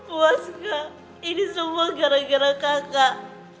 puas gak ini semua gara gara kakak